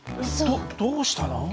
どどうしたの？